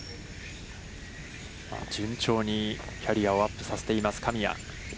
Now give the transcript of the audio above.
順調にキャリアをアップさせています、神谷。